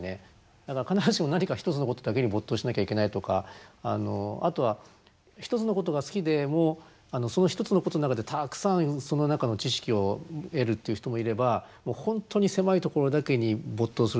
だから必ずしも何か一つのことだけに没頭しなきゃいけないとかあとは一つのことが好きでもその一つのことの中でたくさんその中の知識を得るっていう人もいれば本当に狭いところだけに没頭するっていう人もいるんですね。